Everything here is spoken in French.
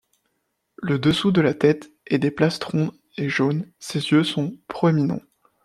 Le dessous de la tête et des plastrons est jaune, ses yeux sont proéminents.